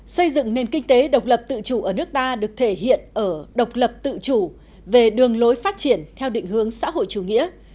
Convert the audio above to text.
xây dựng nền kinh tế độc lập tự chủ ở nước ta được thể hiện ở độc lập tự chủ về đường lối phát triển theo định hướng xã hội chủ nghĩa